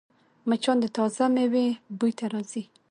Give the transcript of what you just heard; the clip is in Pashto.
مچان د تازه میوو بوی ته راځي